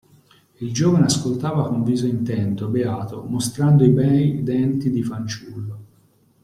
Il giovane ascoltava con viso intento, beato, mostrando i bei denti di fanciullo.